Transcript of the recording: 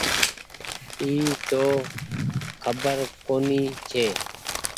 اي تو کبر ڪونيٚ ڇي ۔